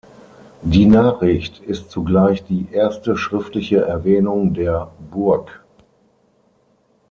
Die Nachricht ist zugleich die erste schriftliche Erwähnung der Burg.